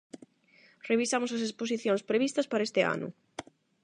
Revisamos as exposicións previstas para este ano.